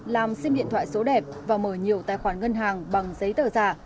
làm sim điện thoại số đẹp và mở nhiều tài khoản ngân hàng bằng giấy tờ giả